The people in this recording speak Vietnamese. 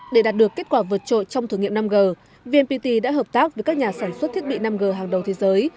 để đạt được kết quả vượt trội trong thử nghiệm năm g vnpt đã hợp tác với các nhà sản xuất thiết bị năm g hàng đầu thế giới